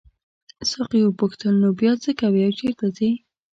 ساقي وپوښتل نو بیا څه کوې او چیرته ځې.